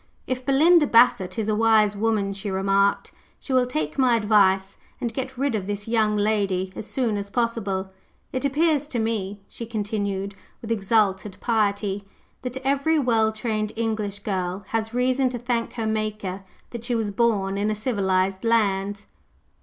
"If Belinda Bassett is a wise woman," she remarked, "she will take my advice, and get rid of this young lady as soon as possible. It appears to me," she continued, with exalted piety, "that every well trained English girl has reason to thank her Maker that she was born in a civilized land."